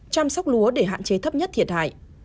chăm sóc lúa để hạn chế thấp nhất thiệt hại